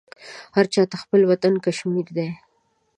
هر چاته خپل وطن کشمير دى.